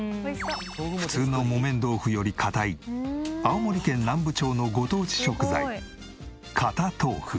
普通の木綿豆腐より硬い青森県南部町のご当地食材堅豆腐。